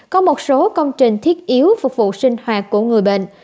có một số công trình thiết yếu phục vụ sinh hoạt của người bệnh